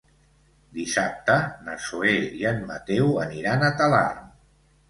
Dissabte na Zoè i en Mateu aniran a Talarn.